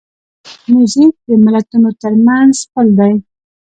موزیک د ملتونو ترمنځ پل دی.